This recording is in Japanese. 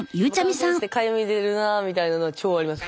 乾燥してかゆみ出るなみたいなの超あります。